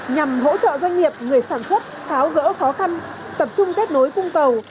nhằm hỗ trợ doanh nghiệp người sản xuất tháo gỡ khó khăn tập trung kết nối cung cầu